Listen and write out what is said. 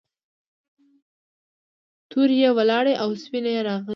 تورې یې ولاړې او سپینې یې راغلې.